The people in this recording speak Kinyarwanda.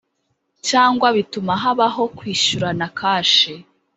cyangwa bituma habaho kwishyurana kashi.